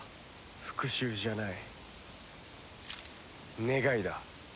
復讐じゃない願いだ。